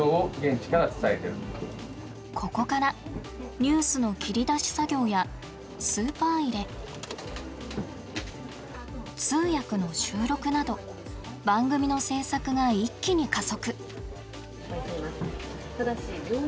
ここからニュースの切り出し作業やスーパー入れ通訳の収録など番組の制作が一気に加速。